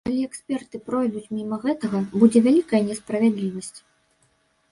Калі эксперты пройдуць міма гэтага, будзе вялікая несправядлівасць.